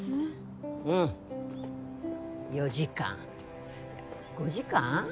うん４時間いや５時間？